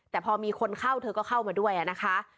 แต่พอมีคนเข้าเธอก็เข้ามาด้วยนะคะ